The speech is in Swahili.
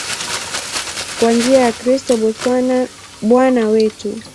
Kwa njia ya Kristo Bwana wetu.